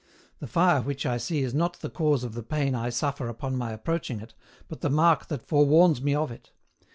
The fire which I see is not the cause of the pain I suffer upon my approaching it, but the mark that forewarns me of it.